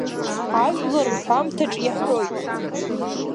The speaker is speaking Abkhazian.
Ажәлар рҳәамҭаҿ иаҳәоит.